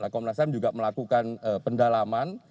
komnas ham juga melakukan pendalaman